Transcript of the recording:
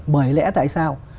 bởi lẽ tại sao